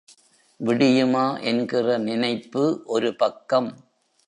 விடியுமா? என்கிற நினைப்பு ஒரு பக்கம்.